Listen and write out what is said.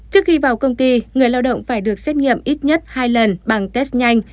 trước khi vào công ty người lao động phải được xét nghiệm ít nhất hai lần bằng test nhanh